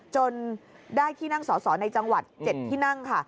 จนได้ที่นั่งสอสอในจังหวัด๗ที่นั่งค่ะ